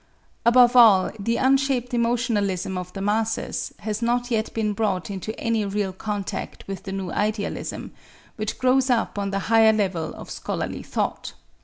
Above all, the unshaped emotionalism of the masses has not yet been brought into any real contact with the new idealism which grows up on the higher level of scholarly thought.